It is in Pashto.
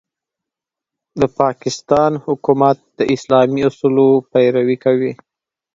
د پاکستان حکومت د اسلامي اصولو پيروي کوي.